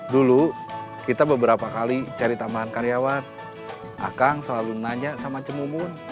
dulu kita beberapa kali cari tambahan karyawan akang selalu nanya sama cemumun